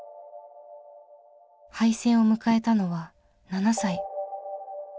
敗戦を迎えたのは７歳。